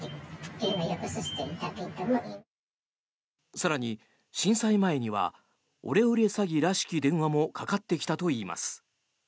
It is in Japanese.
更に、震災前にはオレオレ詐欺らしき電話もかかってきたといいます。